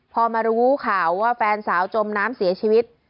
พอมารู้ข่าวว่าแฟนสาวจมน้ำเสียชีวิต